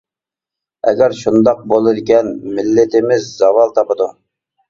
ئەگەر شۇنداق بولىدىكەن مىللىتىمىز زاۋال تاپىدۇ.